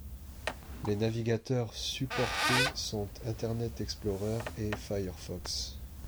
Les navigateurs supportés sont Internet Explorer et Firefox.